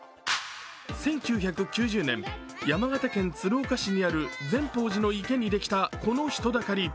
１９９０年、山形県鶴岡市にある善法寺の池にできたこの人だかり。